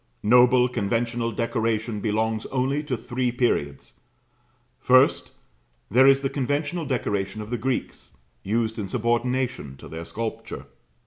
Noble conventional decoration belongs only to three periods. First, there is the conventional decoration of the Greeks, used in subordination to their sculpture.